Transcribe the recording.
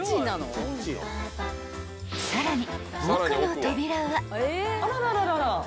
［さらに］